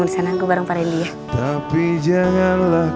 papa selalu memikirkan kebahagiaan kamu andi